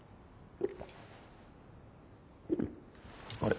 あれ？